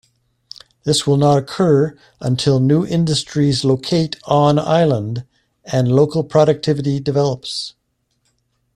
This will not occur until new industries locate on island and local productivity develops.